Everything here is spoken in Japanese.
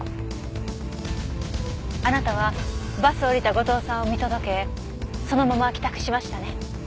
あなたはバスを降りた後藤さんを見届けそのまま帰宅しましたね。